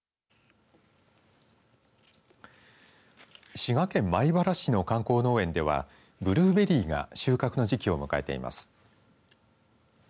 滋賀県米原市の観光農園ではブルーベリーが収穫の時期を迎えています。